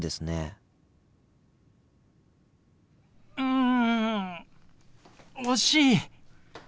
ん惜しい！